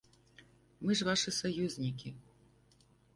Мы ж вашы саюзнікі.